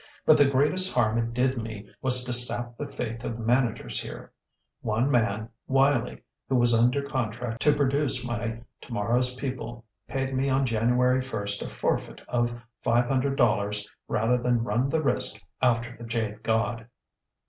But the greatest harm it did me was to sap the faith of managers here. One man Wylie who was under contract to produce my 'Tomorrow's People,' paid me on January first a forfeit of five hundred dollars rather than run the risk after 'The Jade God.'"